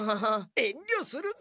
えんりょするな！